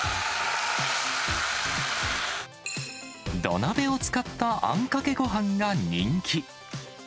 土鍋を使ったあんかけごはんが人気。